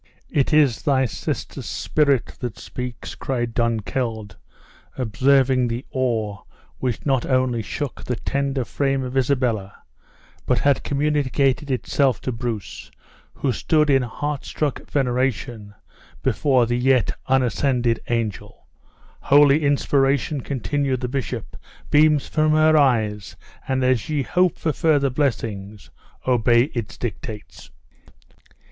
"It is thy sister's spirit that speaks," cried Dunkeld, observing the awe which not only shook the tender frame of Isabella, but had communicated itself to Bruce, who stood in heart struck veneration before the yet unascended angel, "holy inspiration," continued the bishop, "beams from her eyes, and as ye hope for further blessings, obey its dictates!"